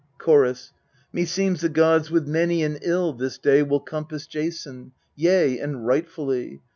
Chorus. Meseems the gods with many an ill this day Will compass Jason yea, and rightfully.